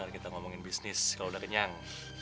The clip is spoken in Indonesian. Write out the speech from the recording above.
kita ngomongin bisnis kalau udah kenyang